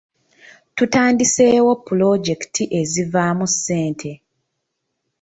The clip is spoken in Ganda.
Tutandiseewo pulojekiti ezivaamu ssente .